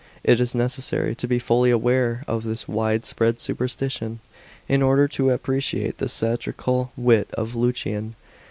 It is necessary to be fully aware of this wide spread superstition, in order to appreciate the satirical wit of Lucian.